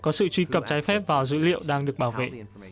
có sự truy cập trái phép vào dữ liệu đang được bảo vệ